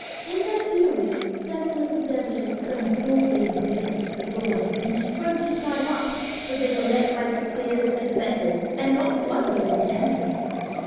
In their fury several of the dervishes sprang boldly into the midst of the thorns and strove to climb up, but they were met by the spears of the defenders, and not one gained an entrance.